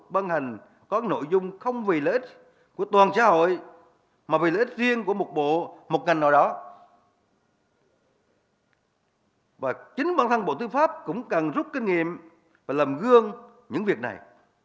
và chính bản thân bộ tư pháp cũng cần rút kinh nghiệm và làm gương những việc này